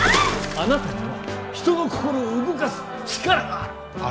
あなたには人の心を動かす力がある！